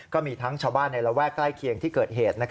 ก็มีทั้งชาวบ้านในระแวกใกล้เคียงที่เกิดเหตุ